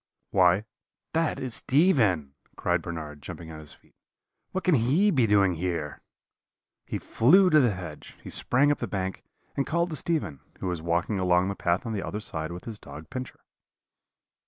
"'Why, that is Stephen,' cried Bernard, jumping on his feet; 'what can he be doing here?' "He flew to the hedge, he sprang up the bank, and called to Stephen, who was walking along the path on the other side with his dog Pincher.